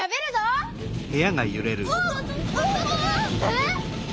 えっ？